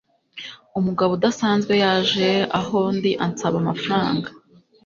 Umugabo udasanzwe yaje aho ndi ansaba amafaranga.